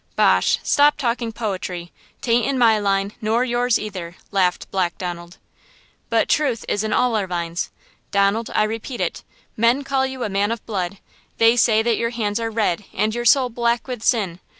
"Bosh! Stop talking poetry! 'Tain't in my line, nor yours, either!" laughed Black Donald. "But truth is in all our lines. Donald, I repeat it, men call you a man of blood! They say that your hands are red and your soul black with sin!